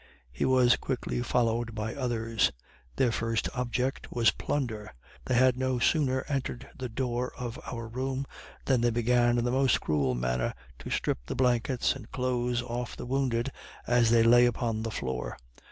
He was quickly followed by others. Their first object was plunder. They had no sooner entered the door of our room, than they began, in the most cruel manner, to strip the blankets and clothes off the wounded as they lay upon the floor.